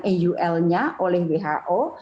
aul nya oleh who